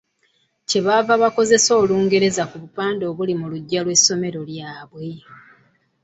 Kye bava bakozesa Olungereza ku bupande bwonna obuli mu luggya lw'essomero lyabwe.